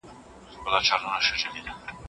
تره زوی هم ورور دی تربور ورته مه وايه.